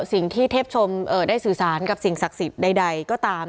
สิ่งที่เทพชมเอ่อได้สื่อสารกับสิ่งศักดิ์สิทธิ์ใดก็ตาม